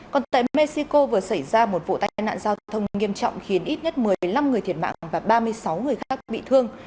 còn tại mexico vừa xảy ra một vụ tai nạn giao thông nghiêm trọng khiến ít nhất một mươi năm người thiệt mạng và ba mươi sáu người khác bị thương